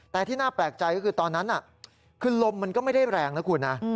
แต่ที่น่าแปลกใจก็คือตอนนั้นคือลมมันก็ไม่ได้แรงนะคุณนะ